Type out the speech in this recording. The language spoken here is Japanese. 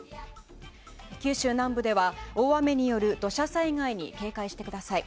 九州南部では大雨による土砂災害に警戒してください。